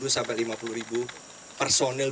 sampai lima puluh personil